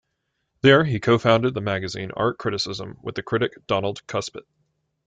There he co-founded the magazine Art Criticism with the critic Donald Kuspit.